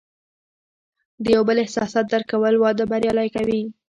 د یو بل احساسات درک کول، واده بریالی کوي.